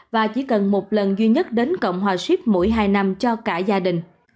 và chỉ cần một lần duy nhất đến cộng hòa ship mỗi hai năm cho cả gia đình